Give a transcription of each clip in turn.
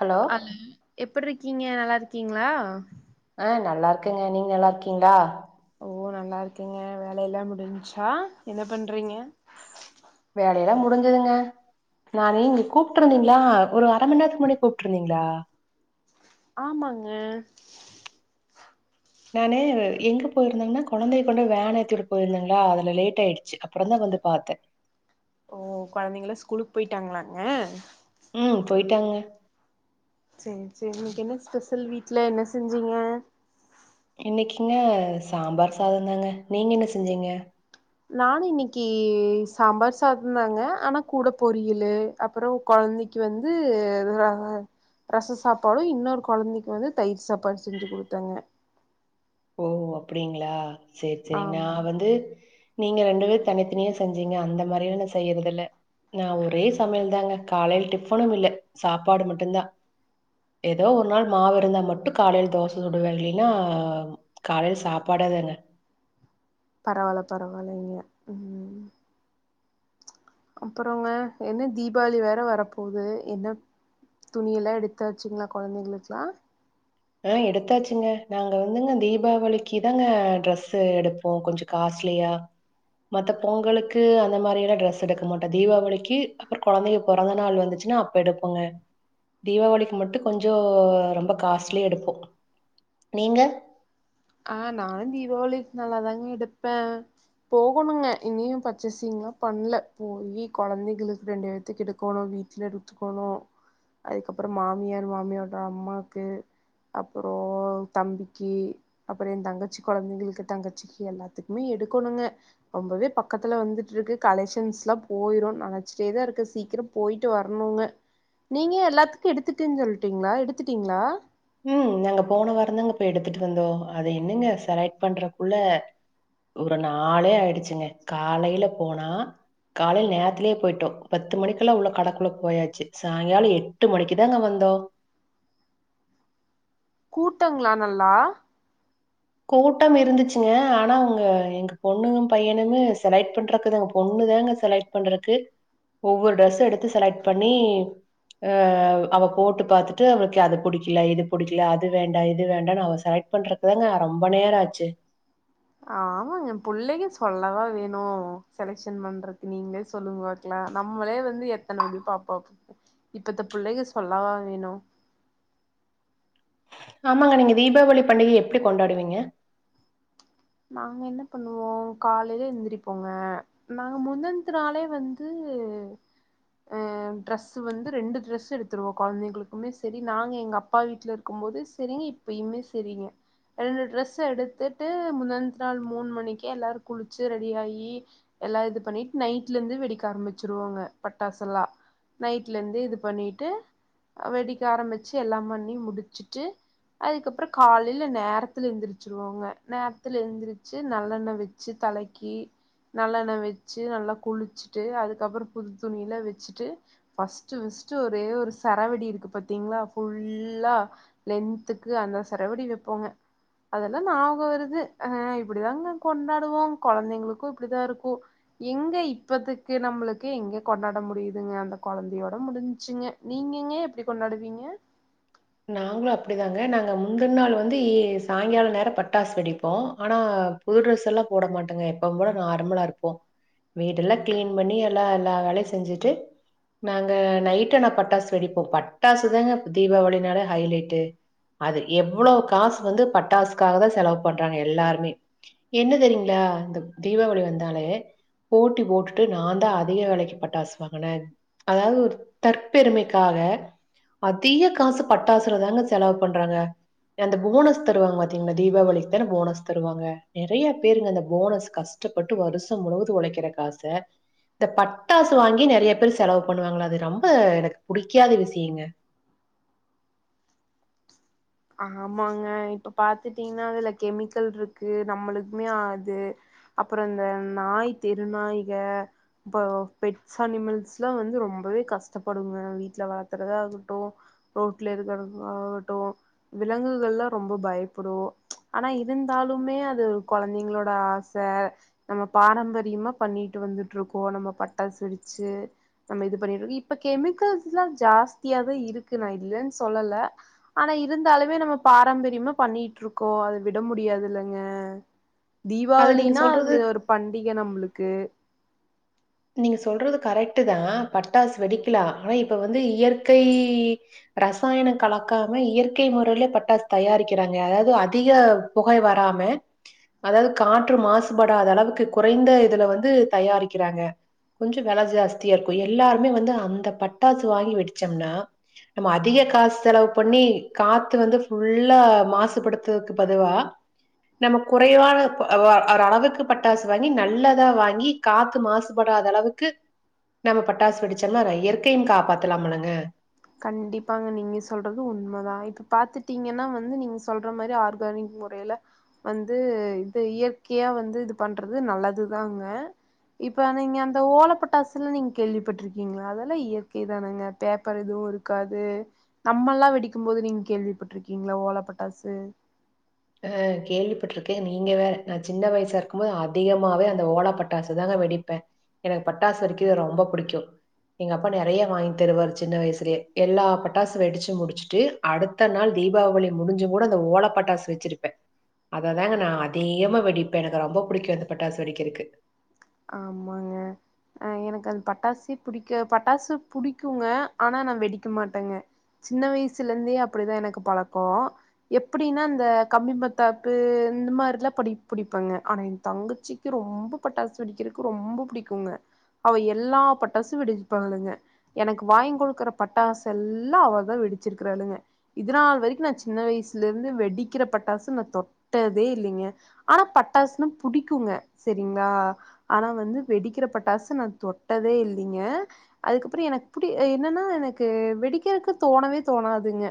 hello ம் எப்டி இருக்கீங்க நல்லா இருக்கீங்ளா ஆ நல்லா இருக்கேங்க நீங்க நல்லா இருக்கீங்ளா ஓ நல்லா இருக்கேங்க வேலையெல்லாம் முடிஞ்ச்சா என்ன பண்றீங்க வேலயெல்லாம் முடிஞ்சதுங்க நானு நீங்க கூப்ட்டு இருந்தீங்ளா ஒரு அர மணி நேரத்துக்கு முன்னாடி கூப்ட்டுருந்தீங்ளா ஆமாங்க நானு எங்க போயிருந்தேங்கன்னா கொழந்தைய கொண்டு வேன் ஏத்தி விட போயிருந்தேங்களா அதுல லேட் ஆயிடுச்சி அப்புறம் தா வந்து பாத்தே ஓ கொழந்தைங்கலா ஸ்கூலுக்கு போயிட்டாங்களாங்க ம் போயிட்டாங்க சேரி சேரி இன்னைக்கு என்ன ஸ்பெஷல் வீட்ல என்ன செஞ்சீங்க இன்னைக்குங்க சாம்பார் சாதம் தாங்க நீங்க என்ன செஞ்சீங்க நானும் இன்னைக்கு சாம்பார் சாதம் தாங்க ஆனா கூட பொரியலு அப்புறம் கொழந்தைக்கு வந்து ர ரச சாப்பாடும் இன்னொரு கொழந்தைக்கு வந்து தயிர் சாப்பாடு செஞ்சி குடுத்தேங்க ஓ அப்டிங்கிளா சேரி சேரி நா ஆமா வந்து நீங்க ரெண்டு பேர் தனித்தனியா செஞ்சீங்க அந்த மாரியலா நா செய்யறது இல்ல நா ஒரே சமையல் தாங்க காலையில டிஃபனும் இல்ல சாப்பாடு மட்டுந்தா எதோ ஒரு நாள் மாவு இருந்தா மட்டும் காலையில தோச சுடுவன் இல்லைன்னா காலையில சாப்பாடே தாங்க பரவால்ல பரவாலைங்க ம் அப்புறங்க என்ன தீபாவளி வேற வரப்போவுது என்ன துணியெல்லாம் எடுத்தாச்சிங்ளா கொழந்தைங்களுக்குலா ஆ எடுத்தாச்சிங்க நாங்க வந்துங்க தீபாவளிக்கு தாங்க ட்ரெஸ்சு எடுப்போ கொஞ்ச காஸ்ட்லியா மத்த பொங்களுக்கு அந்த மாரியலா ட்ரெஸ் எடுக்க மாட்டோ தீபாவளிக்கு அப்புறம் கொழந்தைங்க பொறந்த நாள் வந்துச்சின்னா அப்ப எடுப்போங்க தீபாவளிக்கு மட்டும் கொஞ்சோம் ரொம்ப காஸ் டிலி எடுப்போம் நீங்க ஆ நானும் தீபாவளிக்கு நல்லாதாங்க எடுப்பே போகணுங்க இங்கயும் பர்சேசிங்கலா பண்ல போயி கொழந்தைங்களுக்கு ரெண்டு பேத்துக்கு எடுக்கணு வீட் சிலர் உத்துக்கோணும் அதுக்கப்புறம் மாமியார் மாமியார்யோட அம்மாக்கு அப்ரோ தம்பிக்கி அப்புற என் தங்கச்சி கொழந்தைகளுக்கு தங்கச்சிக்கு எல்லாத்துக்குமே எடுக்கணுங்க ரொம்பவே பக்கத்துல வந்துட்டு இருக்கு கலெக்ஷன்ஸ்லா போயிரு நனச்சிட்டேதா இருக்கு சீக்கிரப் போயிட்டு வரணுங்க நீங்க எல்லாத்துக்கு எடுத்துடேன்னு சொல்ட்டீங்களா எடுத்துட்டீங்ளா உம் நாங்க போன வரந்தாங்க போய் எடுத்துட்டு வந்தோ அது என்னங்க செலக்ட் பண்றக்குள்ள ஒரு நாளே ஆயிடுச்சிங்க காலேல போனா காலைலே நேரத்லேயே போயிட்டோ பத்து மணிக்கெல்லா உள்ள கடக்குள்ள போயாச்சி சாய்ங்காலோ எட்டு மணிக்கு தாங்க வந்தோ கூட்டோங்ளா நல்லா கூட்டம் இருந்துச்சிங்க அனா உங்க எங்க பொண்ணு பையனுமே செலக்ட் பண்றதுக்குங்க பொண்ணு தாங்க செலக்ட் பண்றக்கு ஒவ்வொரு ட்ரெஸ் எடுத்து செலக்ட் பண்ணி அவ் அவ போட்டு பாத்துட்டு அவளுக்கு அது புடிக்கல இது புடிக்கல அது வேண்டா இது வேண்டாம்னு அவ செலக்ட் பண்றக்குதாங்க ரொம்ப நேரோ ஆச்சி ஆமாங்க புள்ளைங்க சொல்லவா வேணு செலக்சன் பண்றதுக்கு நீங்களே சொல்லுங்வாட் நம்மளே வந்து எத்தன இது பாப்பப் இப்ப இந்த புள்ளைங்க சொல்லவா வேணு ஆமாங்க நீங்க தீபாவளி பண்டிகை எப்டி கொண்டாடுவீங்க நாங்க என்ன பண்ணுவோ காலேல எந்திரிப்போங்க நாங்க முந்தனத்து நாளே வந்து ஆ டிரஸ் வந்து ரெண்டு ட்ரெஸ் எடுத்துருவோ கொழந்தைகளுக்குமே செரி நாங்க எங்க அப்பா வீட்ல இருக்கும் போது செரிங்க இப்பயுமே செரிங்க ரெண்டு டிரெஸ் எடுத்துட்டு முந்தனத்து நாள் மூணு மணிக்கே எல்லாரு குளிச்சி ரெடி ஆயி எல்லா இது பண்ணிட்டு நைட்ல இருந்து வெடிக்க ஆரமிச்சிருவோங்க பட்டாசெல்லா நைட்ல இருந்து இது பண்ணிட்டு வெடிக்க ஆரமிச்சி எல்லா பண்ணி முடிச்சிட்டு அதுக்கப்ரோ காலேல நேரத்துல எந்திரிச்சிருவோங்க நேர நேரத்துல எழுந்திரிச்சு நல்லெண்ண வச்சு தலைக்கி நல்லெண்ண வச்சி நல்ல குளிச்சிட்டு அதுக்கப்ரோ புது துணியில வெச்சிட்டு ஃபஸ்ட்டு ஃபஸ்ட்டு ஒரே ஒரு சரவடி இருக்கு பாத்தீங்ளா புல்லா லென்த்துக்கு அந்த சரவடி வைப்போங்க அதெல்லா ஞாபகம் வருது அ இப்டிதாங்க கொண்டாடுவோ கொழந்தைங்களுக்கு இப்படிதா இருக்கு எங்க இப்பத்துக்கு நம்மளுக்கு எங்க கொண்டாட முடியுதுங்க அந்த கொழந்தையோட முடிஞ்சிங்க நீங்கங்க எப்டி கொண்டாடுவீங்க நாங்களு அப்டிதாங்க நாங்க முந்தன நாள் வந்து ஏ சாய்ங்கால நேரௌ பட்டாசு வெடிப்போ அனா புது ட்ரெஸ் எல்லா போட மாட்டோங்க எப்பவு போல நார்மலா இருப்போ வீடுயெல்லா கிளீன் பண்ணி எல்லா எல்லா வேலையு செஞ்சிட்டு நாங்க நைட்டு அனா பட்டாசு வெடிப்போ பட்டாசுதாங்க தீபாவளினாலே ஹைலைட்டு அது எவ்ளோ காசு வந்து பட்டாசுக்காகதா செலவு பண்றாங்க எல்லாருமே என்ன தெரியுங்ளா இந்த தீபாவளி வந்தாலே போட்டி போட்டுட்டு நா தா அதிக வெலைக்கு பட்டாசு வாங்குன அதாவது ஒரு தற்பெருமைக்காக அதிக காசுப் பட்டாசுலதாங்க செலவு பண்றாங்க அந்த புவனஸ் தருவாங்க பாத்தீங்களா தீபாவளிக்கு தானே போனஸ் தருவாங்க நெறைய பேருங்க அந்த போனஸ் கஷ் கஷ்டப்பட்டு வருஷ முழுவது ஒழைக்கிற காச இந்தப்பட்டாசு வாங்கி நெறைய பேரு செலவு பண்ணுவாங்கள அது ரொம்ப எனக்கு புடிக்காத விஷியங்க ஆமாங்க இப்ப பாத்துட்டீங்னா அதுல கெமிக்கல் இருக்கு நம்மளுக்குமே ஆது அப்புற இந்த நாய் தெரு நாய்க இப்ப பெட்ஸ் அனிமல்ஸ்லா வந்து ரொம்பவே கஷ்டப்படுங்க வீட்ல வளத்தறதாகட்டு ரோட்ல இருக்கறதாகட்டும் விலங்குகள்லா ரொம்ப பயப்புடும் ஆனா இருந்தாலுமே அது கொழந்தங்களோட ஆச நம்ம பாரம்பரியமா பண்ணிட்டு வந்துட்ருக்கோம் நம்ம பட்டாஸ் வெடிச்சு நம்ம இது பண்ணிட்டுரு இப்ப கெமிக்கல்ஸ்லா ஜாஸ்தியாவே இருக்கு நா இல்லேன் சொல்லல ஆனா இ இருந்தாலுமே நம்ம பாரம்பரியமா பண்ணிட்ருக்கோ அத விட முடியாதுல்லங்க அது நீங்க தீபாவளினா சொல்றது அது ஒரு பண்டிக நம்புளுக்கு நீங்க சொல்றது கரெக்ட்டு தா பட்டாசு வெடிக்கிலா ஆனா இப்ப வந்து இயற்கை ரசாயன கலக்காம இயற்கை முறைல பட்டாஸ் தயாரிக்கிறாங்க அதாது அதிக புகை வராம அதாது காற்று மாசுபடாத அளவுக்கு குறைந்த இதுல வந்து தயாரிக்கிறாங்க கொஞ்சோ வெல ஜாஸ்தியாருக்கு எல்லாருமே வந்து அந்த பட்டாசு வாங்கி வெடிச்சம்னா நம்ம அதிக காசு செலவு பண்ணி காத்து வந்து ஃபுல்லா மாசுபடுத்துவக்கு பதுவா நம்ம குறைவான ஒரு அளவுக்கு பட்டாசு வாங்கி நல்லதா வாங்கி காத்து மாசு ப்படாத அளவுக்கு நம்ம பட்டாசு வெடிச்சன்னா இயற்கையு காப்பாத்தலாம்லங்க கண்டிப்பாங்க நீங்க சொல்றது உண்மதா இப்ப பாத்துட்டீங்கன்னா வந்து நீங்க சொல்ற மாரி ஆர்கானிக் முறைல வந்து இப்ப இயற்கையா வந்து இது பண்றது நல்லதுதாங்க இப்ப அந்த இங்க ஓல பட்டாசுல நீங்க கேள்விப்பட்டிருக்கீங்களா அதலா இயற்கை தானங்க பேப்பரு எதுவுருக்காது நம்மல்லா வெடிக்கும் போது நீங்க கேள்விப்பட்டிருக்கீங்ளா ஓல பட்டாசு அ கேள்விப்பட்டிருக்கே நீங்க வேற நான் சின்ன வயசாருக்கும் போது அதிகமாவே அந்த ஓல பட்டாசு தாங்க வெடிப்பே எனக்கு பட்டாசு வெடிக்கறது ரொம்ப புடிக்கும் எங்கப்பா நெறைய வாங்கி தருவாரு சின்ன வயசுலே எல்லா பட்டாஸ் வெடிச்சி முடிச்சுட்டு அடுத்த நாள் தீபாவளி முடிஞ்சு கூட அந்த ஓல பட்டாசு வெச் சிருப்பே அததாங்க நா அதேகமா வெடிப்பே எனக்கு ரொம்ப புடிக்கும் அந்த பட்டாசு வெடிக்கறக்கு ஆமாங்க அ எனக்கு அந்த பட்டாசே புடிக்க பட்டாசு புடிக்குங்க ஆனா நான் வெடிக்க மாட்டங்க சின்ன வயசுலந்தே அப்டிதா எனக்கு பழக்கோ எப்பிடின்னா இந்த கம்பிமத்தாப்பு இந்த மார்லா புடி புடிப்பங்க ஆனா என் தங்கச்சி ரொம்ப பட்டாசு வெடிக்கிறக்கு ரொம்ப புடிக்குங்க அவ எல்லா பட்டாசு வெடிப்பாளுங்க எனக்கு வாங்கி குடுக்குற பட்டாசெல்லா அவதான் வெடிச்சிருக்றாளுங்க இதுநாள் வரைக்கு நான் சின்ன வயசுலேர்ந்து வெடிக்கிற பட்டாசு நா தொட்டதே இல்லிங்க ஆனா பட்டாசுனா புடிக்குங்க செரிங்ளா ஆனா வந்து வெடிக்கிற பட்டாசு நா தொட்டதே இல்லிங்க அதுக்கப்பறம் எனக்கு புடி என்னன்னா எனக்கு வெடிக்கறக்கு தோணவே தோணாதுங்க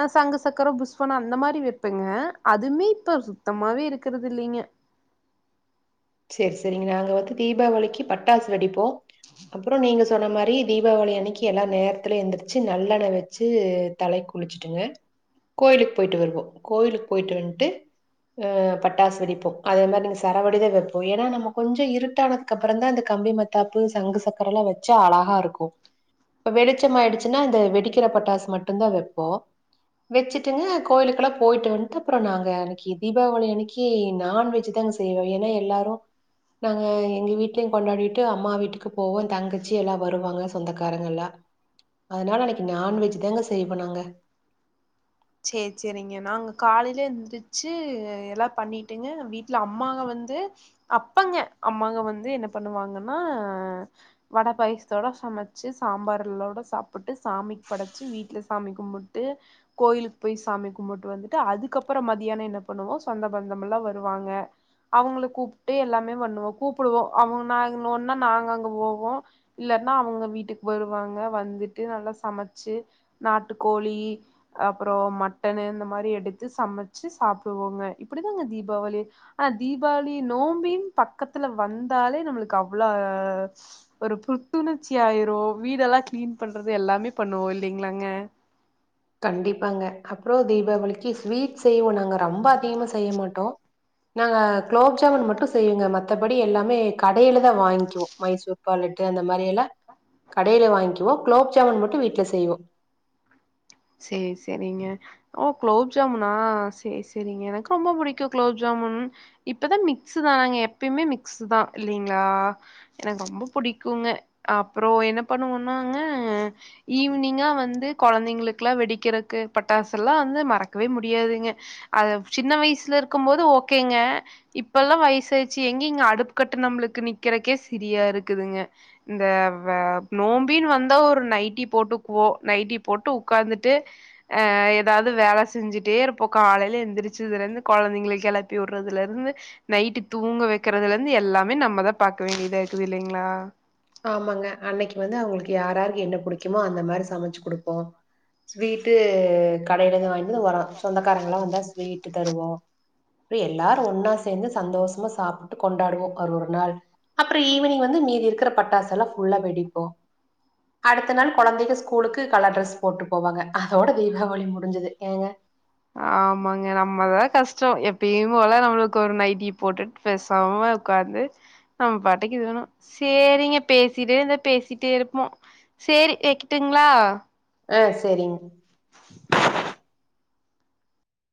அ சங்கு சக்கரம் புஸ்வானம் அந்த மாரி வெப்பங்க அதுமே இப்ப சுத்தமாவே இருக்கறதில்லிங்க சேரி செரிங்க நாங்க வந்து தீபாவளிக்கி பட்டாசு வெடிப்போ அப்புறம் நீங்க சொன்ன மாரி தீபாவளி அன்னக்கி எல்லா நேரத்துலே எந்திரிச்சு நல்லெண்ண வெச்சு தலை குளிச்சுட்டுங்க கோயிலுக்கு போயிட்டு வருவோ கோயிலுக்கு போயிட்டு வன்ட்டு அ பட்டாசு வெடிப்போ அத மாரி நீங்க சரவெடிதா வெப் போ ஏனா நம்ம கொஞ்சொ இருட்டானதுக்கப்பறந்தான் இந்த கம்பி மத்தாப்பு சங்கு சக்கரலா வெச்சா அழகாருக்கு இப்ப வெளிச்சமாயிடுச்சுன்னா இந்த வெடிக்கிற பட்டாசு மட்டுந்தா வெப்போ வெச்சுட்டுங்க கோயிலுக்லா போயிட்டு வன்ட்டு அப்புற நாங்க அன்னக்கி தீபாவளி அன்னக்கி நான்வெஜ்தாங்க செய்வோ ஏன்னா எல்லாரு நாங்க எங்க வீட்லயு கொண்டாடிட்டு அம்மா வீட்டுக்கு போவோ தங்கச்சி எல்லா வருவாங்க சொந்தக்காரங்கல்லா அதனால அன்னக்கி நான்வெஜ்தாங்க செய்வ நாங்க சேரி சேரிங்க நாங்க காலைல எந்திரிச்சி எல்லா பண்ணிட்டுங்க வீட்ல அம்மாங்க வந்து அப்பங்க அம்மாங்க வந்து என்ன பண்ணுவாங்கன்னா வட பாயசத்தோட சமைச்சு சாம்பார்லோட சாப்ட்டு சாமிக் படைச்சு வீட்டில சாமி கும்புட் டு கோயிலுக்கு போய் சாமி கும்பிட்டு வந்துட்டு அதுக்கப்பறோ மதியானோ என்ன பண்ணுவோ சொந்த பந்தமெல்ல வருவாங்க அவுங்கள கூப்ட்டு எல்லாமே பண்ணுவோ கூப்புடுவோ அவுங்க நா ஒன்னா நாங்க அங்க போவோ இல்லாட்னா அவுங்க வீட்டுக்கு வருவாங்க வந்துட்டு நல்லா சமைச்சு நாட்டுக்கோழி அப்பறோ மட்டன்னு இந்த மாரி எடுத்து சமைச்சு சாப்டுவோங்க இப்டிதாங்க தீபாவளி ஆ தீபாவளி நோம்பின் பக்கத்துல வந்தாலே நம்மளுக்கு அவ்ள ஒரு புத்துணர்ச்சி ஆயிரு வீடெல்லாம் கிளீன் பண்றது எல்லாமே பண்ணுவோ இல்லைங்களாங்க கண்டிப்பாங்க அப்பறோ தீபாவளிக்கு ஸ்வீட் செய்வோ நாங்க ரொம்ப அதிகமா செய்ய மாட்டோ நாங்க குலோப் ஜாமுன் மட்டு செய்வேங்க மத்தபடி எல்லாமே கடையில தா வாங்கிக்குவோ மைசூர் பா லட்டு அந்த மாரி எல்லா கடையில வாங்கிக்வோ குலோப் ஜாமுன் மட்டு வீட்ல செய்வோ சேர் சேரிங்க ஓ குலோப் ஜாமுனா சேரி சேரிங்க எனக்கு ரொம்ப புடிக்கு குலோப் ஜாமுன் இப்பதா மிக்ஸுதானங்க எப்பயுமே மிக்ஸுதா இல்லைங்களா எனக்கு ரொம்ப புடிக்குங்க அப்றோ என்ன பண்ணுவோன்னாங்க ஈவ்னிங்கா வந்து கொழந்தைங்களுக் கிலா வெடிக்கிறதுக்கு பட்டாசு எல்லா வந்து மறக்கவே முடியாதுங்க அது சின்ன வயசுல இருக்கு போது ஓகேங்க இப்பெல்லா வயசாயிடுச்சு எங்கெங்க அடுப்பு கிட்ட நம்மளுக்கு நிக்கறக்கே சிரியா இருக்குதுங்க இந்த வே நோம்பின் வந்தா ஒரு நைட்டி போட்டுக்குவோ நைட்டி போட்டு உக்காந்துட்டு அ ஏதாவ்து வேல செஞ்சுட்டே இருப்போ காலையில எழுந்திரிச்சதுல இருந்து கொழந்தைங்கள கிளப்பி வுடுறதுலருந்து நைட்டு தூங்க வைக்கறதுல இருந்து எல்லாமே நம்மதா பாக்க வேண்டியதா இருக்கு இல்லைங்களா ஆமாங்க அன்னைக்கு வந்து அவுங்களுக்கு யாராருக்கு என்ன புடிக்குமோ அந்த மாரி சமைச்சு குடுப்போ ஸ்வீட்டு கடையிலந்து வாங்கி இதோ வர சொந்தக்காரங்கலா வந்தா ஸ்வீட்டு தருவோ இப்டி எல்லாரு ஒன்னா சேந்து சந்தோஷமா சாப்ட்டு கொண்டாடுவோ அது ஒரு நாள் அப்றோ ஈவ்னிங் வந்து மீதி இருக்கிற பட்டாசலா ஃபுல்லா வெடிப்போ அடுத்த நாள் கொழந்தைக்கி ஸ்கூலுக்கு கலர் ட்ரெஸ்ஸு போட்டு போவாங்க அதோட தீபாவளி முடிஞ்சுது ஏங்க ஆமாங்க நம்மதா கஷ்டோ எப்பயு போல நம்மளுக்கு ஒரு நைட்டி போட்டுட் பேசாம உக்காந்து நம்ம பாட்டுக்கு இது வேணு சேரிங்க பேசிட்டே இருந்தா பேசிட்டே இருப்போ சேரி வைக்கிட்டுங்களா அ சேரிங்க